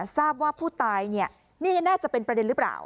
ทราบว่าผู้ตายนี่น่าจะเป็นประเด็นหรือเปล่า